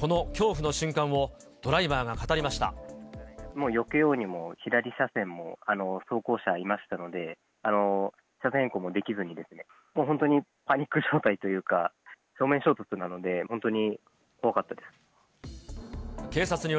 この恐怖の瞬間を、もう、よけようにも、左車線にも走行車がいましたので、車線変更もできずに、もう本当にパニック状態というか、正面衝突なので、本当に怖かったです。